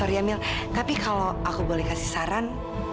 sorry emil tapi kalau aku boleh kasih saran